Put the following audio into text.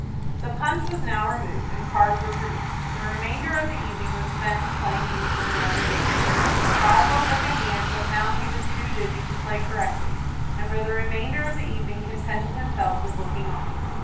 The punch was now removed, and cards were produced. The remainder of the evening was spent in playing euchre and other games. Roswell took a hand, but found he was too dizzy to play correctly, and for the remainder of the evening contented himself with looking on.